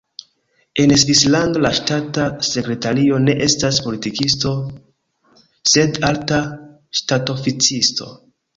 En Svislando la ŝtata sekretario ne estas politikisto, sed alta ŝtatoficisto.